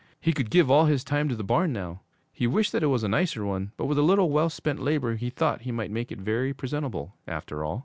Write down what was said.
He could give all his time to the barn now. He wished that it was a nicer one, but with a little well spent labor he thought he might make it very presentable, after all.